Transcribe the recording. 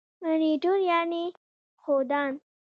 منیټور یعني ښودان.